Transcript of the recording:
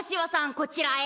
こちらへ。